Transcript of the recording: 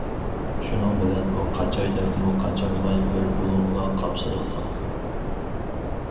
شۇنىڭ بىلەن ئۇ قاچاي دەپمۇ قاچالماي بىر بۇلۇڭغا قاپسىلىپ قاپتۇ.